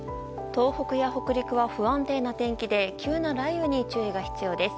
東北や北陸は不安定な天気で急な雷雨に注意が必要です。